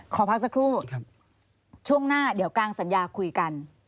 ขอพักสักครู่ช่วงหน้าเดี๋ยวกลางสัญญาคุยกัน